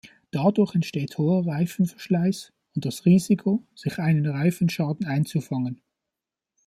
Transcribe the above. Dadurch entsteht hoher Reifenverschleiß und das Risiko, sich einen Reifenschaden einzufangen.